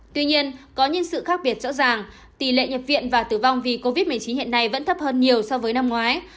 tuy nhiên có những sự khác biệt rõ ràng tỷ lệ nhập viện và tử vong vì covid một mươi chín hiện nay vẫn thấp hơn nhiều so với năm ngoái